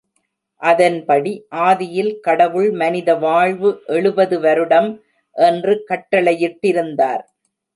அதன்படி, ஆதியில் கடவுள் மனித வாழ்வு எழுபது வருடம் என்று கட்டளையிட்டிருந்தார்.